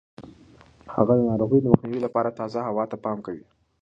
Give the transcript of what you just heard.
هغه د ناروغیو د مخنیوي لپاره تازه هوا ته پام کوي.